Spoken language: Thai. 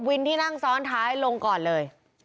ที่นั่งซ้อนท้ายลงก่อนเลย